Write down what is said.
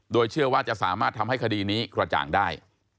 โดยเชื่อว่าจะสามารถทำให้คดีนี้กระจ่างได้